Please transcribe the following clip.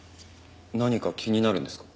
何か気になるんですか？